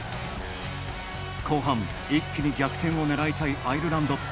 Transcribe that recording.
後半、一気に逆転を狙いたいアイルランド。